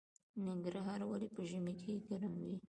ننګرهار ولې په ژمي کې ګرم وي؟